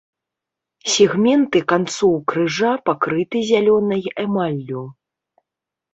Сегменты канцоў крыжа пакрыты зялёнай эмаллю.